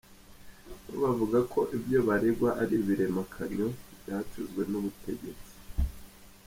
Bo bavugaga ko ibyo baregwa ari ibiremekanyo byacuzwe n’ubutegetsi.